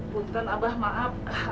puntan abah maaf